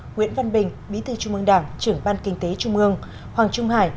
nguyễn văn bình bí thư trung mương đảng trưởng ban kinh tế trung mương hoàng trung hải